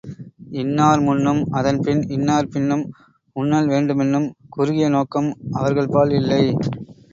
இன்னார் முன்னும், அதன்பின் இன்னார் பின்னும் உண்ணல் வேண்டுமென்னும் குறுகிய நோக்கம் அவர்கள்பால் இல்லை.